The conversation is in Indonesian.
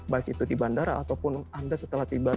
baik itu di bandara ataupun anda setelah tiba